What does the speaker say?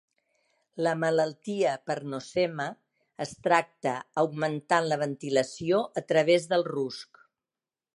La malaltia per Nosema es tracta augmentant la ventilació a través del rusc.